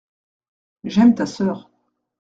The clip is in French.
J’aime ta sœur.